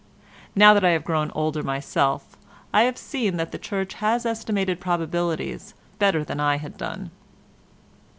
Now that I have grown older myself I have seen that the Church has estimated probabilities better than I had done.